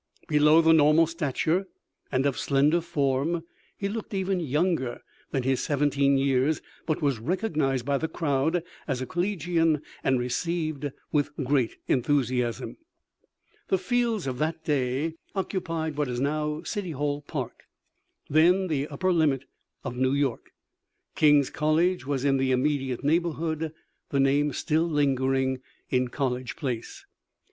Below the normal stature and of slender form, he looked even younger than his seventeen years, but was recognized by the crowd as a collegian and received with great enthusiasm. [Footnote 1: The "Fields" of that day occupied what is now City Hall Park, then the upper limit of New York. King's College was in the immediate neighborhood, the name still lingering in College Place.